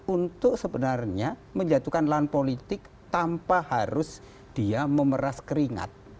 untuk sebenarnya menjatuhkan lahan politik tanpa harus dia memeras keringat